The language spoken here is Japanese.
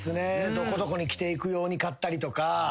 どこどこに着ていく用に買ったりとか。